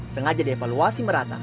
sengaja dievaluasi merata